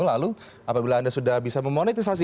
lalu apabila anda sudah bisa memonetisasi